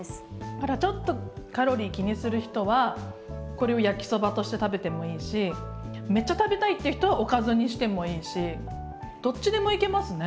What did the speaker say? だからちょっとカロリー気にする人はこれを焼きそばとして食べてもいいしめっちゃ食べたいっていう人はおかずにしてもいいしどっちでもいけますね。